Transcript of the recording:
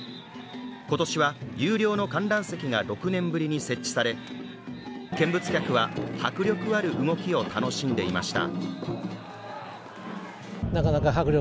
今年は有料の観覧席が６年ぶりに設置され、見物客は迫力ある動きを楽しんでいました。